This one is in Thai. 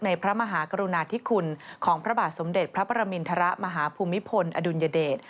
พระมหากรุณาธิคุณของพระบาทสมเด็จพระประมินทรมาฮภูมิพลอดุลยเดช